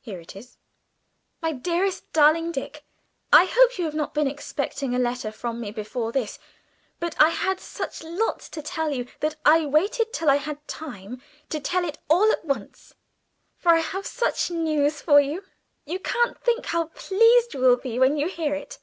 Here it is: "MY DEAREST DARLING DICK, I hope you have not been expecting a letter from me before this, but I had such lots to tell you that I waited till I had time to tell it all at once. For I have such news for you! You can't think how pleased you will be when you hear it.